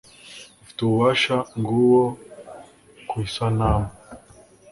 Ufite ububasha nguwo kw'isanamu